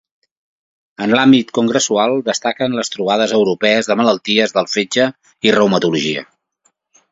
En l’àmbit congressual destaquen les trobades europees de malalties del fetge i reumatologia.